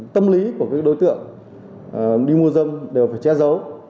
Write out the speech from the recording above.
tâm lý của các đối tượng đi mua dâm đều phải che giấu